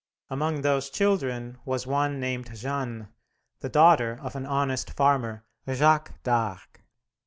Among these children was one named Jeanne, the daughter of an honest farmer, Jacques d'Arc.